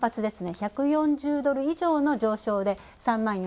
１４０ドル以上の上昇。